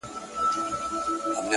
ځان د بل لپاره سوځول زده کړو-